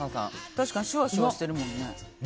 確かにシュワシュワしてるもんね。